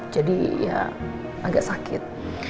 jadi ya agak sakit